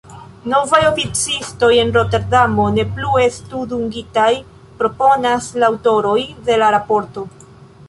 Novaj oficistoj en Roterdamo ne plu estu dungitaj, proponas la aŭtoroj de la raporto.